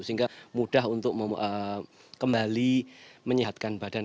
sehingga mudah untuk kembali menyehatkan badan